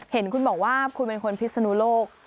เห็นคุณบอกว่าคุณเป็นคนพิศนุโลก